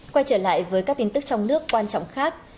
quay trở lại với các tin tức trong nước quan trọng khác